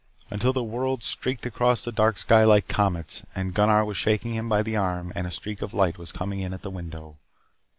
Until the worlds streaked across the dark sky like comets. And Gunnar was shaking him by the arm and a streak of light was coming in at the window.